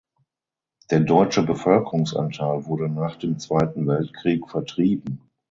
Der deutsche Bevölkerungsanteil wurde nach dem Zweiten Weltkrieg vertrieben.